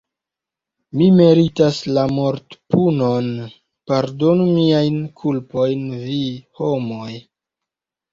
Mi meritas la mortpunon, pardonu miajn kulpojn vi, homoj!